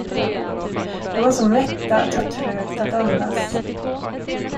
De var så mätta att det var trögt att andas.